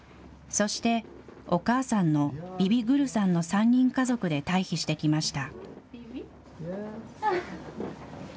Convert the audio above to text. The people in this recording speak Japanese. そして、お母さんのビビグルさんの３人家族で退避してきました。